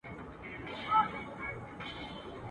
چي خپه راڅخه نه سې په پوښتنه.